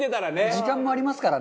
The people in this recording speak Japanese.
時間もありますからね。